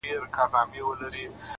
موږ ته تر سهاره چپه خوله ناست وي’